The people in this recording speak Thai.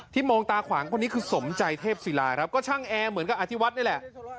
มองตาขวางคนนี้คือสมใจเทพศิลาครับก็ช่างแอร์เหมือนกับอธิวัฒน์นี่แหละ